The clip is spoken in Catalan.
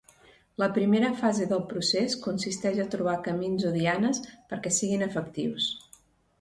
La primera fase del procés consisteix a trobar camins o dianes perquè siguin efectius.